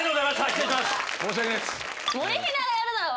失礼します。